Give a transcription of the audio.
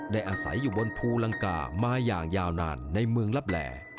อาศัยอยู่บนภูลังกามาอย่างยาวนานในเมืองลับแหล่